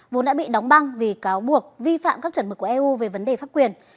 vốn đã bị đóng băng vì cáo buộc vi phạm các chuẩn mực của eu về vấn đề pháp quyền